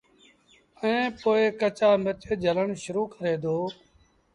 ائيٚݩ پو ڪچآ مرچ جھلڻ شرو ڪري دو